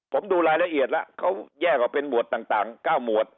ผมดูรายละเอียดแล้วเขาแยกออกเป็นหมวดต่าง๙หมวด